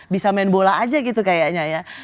bisa main bola aja gitu kayaknya ya